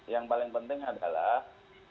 yang paling penting adalah